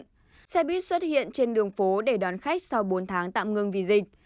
các tuyến xe buýt xuất hiện trên đường phố để đón khách sau bốn tháng tạm ngưng vì dịch